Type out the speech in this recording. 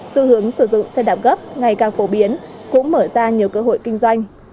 xu hướng sử dụng xe đạp gấp ngày càng phổ biến cũng mở ra nhiều cơ hội kinh doanh